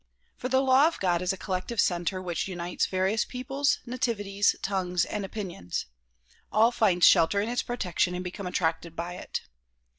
For the law of God is a collective center which unites various peoples, nativities, tongues and opinions. All find shelter in its protection and become attracted by it.